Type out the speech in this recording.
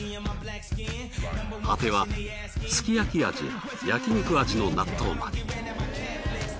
果てはすき焼き味や焼肉味の納豆まで。